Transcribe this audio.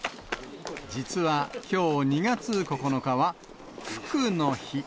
実はきょう２月９日は、ふくの日。